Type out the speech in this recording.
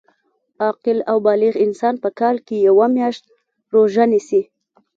عاقل او بالغ انسان په کال کي یوه میاشت روژه نیسي